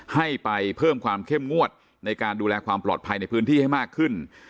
ให้ไปเพิ่มความเข้มงวดในการดูแลความปลอดภัยในพื้นที่ให้มากขึ้น